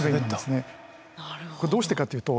どうしてかというと。